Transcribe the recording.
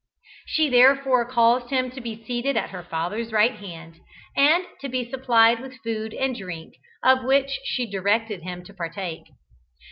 She therefore caused him to be seated at her father's right hand, and to be supplied with food and drink of which she directed him to partake.